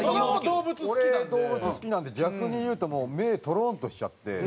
俺動物好きなんで逆に言うともう目とろーんとしちゃって。